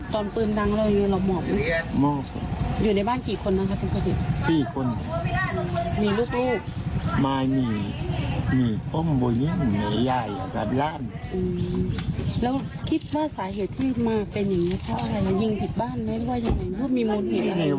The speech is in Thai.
ตอนนี้ก็ไม่รู้ว่าชายให้ทำอะไร